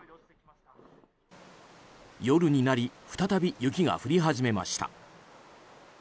夜になり再び雪が降り始めました。